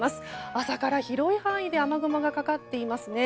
朝から広い範囲で雨雲がかかっていますね。